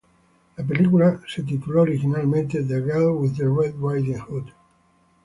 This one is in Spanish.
La película fue titulada originalmente "The Girl with the Red Riding Hood".